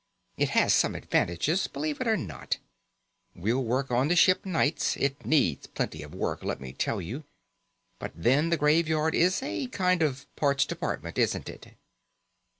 It has some advantages, believe it or not. We'll work on the ship nights. It needs plenty of work, let me tell you. But then the Graveyard is a kind of parts department, isn't it?"